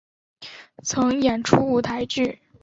曾演出舞台剧。